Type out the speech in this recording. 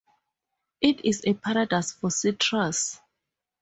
It is a paradise for citrus.